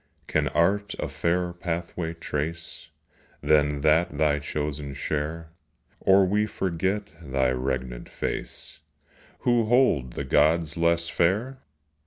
Can Art a fairer pathway trace Than that thy chosen share, Or we forget thy regnant face, Who hold the gods less fair?